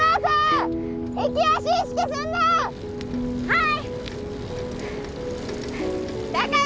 はい！